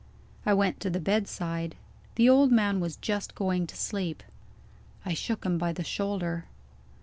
I went to the bedside. The old man was just going to sleep. I shook him by the shoulder.